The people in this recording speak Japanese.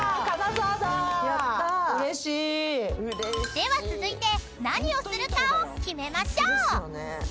［では続いて何をするかを決めましょう！］